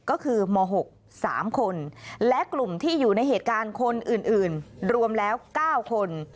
ก็คือม๖๓คนและกลุ่มที่อยู่ในเหตุการณ์คนอื่นรวมแล้ว๙คน